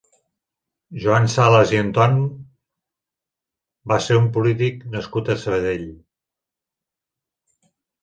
Joan Salas i Anton va ser un polític nascut a Sabadell.